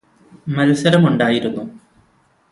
മത്സരമുണ്ടായിരുന്നു